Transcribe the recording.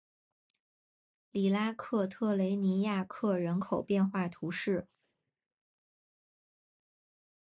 里拉克特雷尼亚克人口变化图示